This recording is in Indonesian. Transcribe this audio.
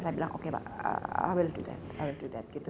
tapi dia bilang oke mbak i will do that